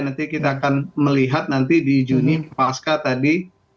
nanti kita akan melihat nanti di juni pasca tadi